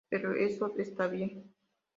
Pero eso está bien.